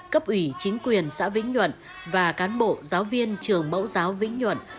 cấp ủy chính quyền xã vĩnh nhuận và cán bộ giáo viên trường mẫu giáo vĩnh nhuận